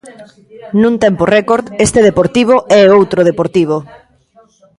Nun tempo récord este Deportivo é outro Deportivo.